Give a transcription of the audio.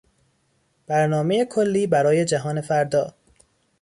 برنامهی کلی برای جهان فردا